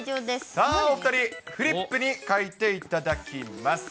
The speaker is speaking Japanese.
さあ、お２人、フリップに書いていただきます。